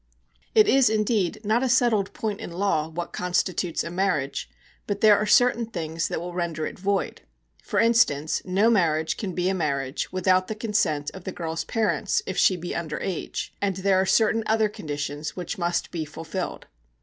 It is, indeed, not a settled point in law what constitutes a marriage, but there are certain things that will render it void. For instance, no marriage can be a marriage without the consent of the girl's parents if she be under age, and there are certain other conditions which must be fulfilled.